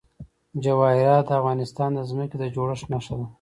جواهرات د افغانستان د ځمکې د جوړښت نښه ده.